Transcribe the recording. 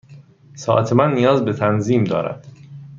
ساعت من نیاز به تنظیم دارد.